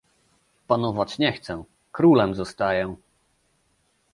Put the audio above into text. "Panować nie chcę, królem zostaję."